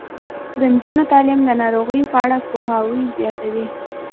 د نجونو تعلیم د ناروغیو په اړه پوهاوی زیاتوي.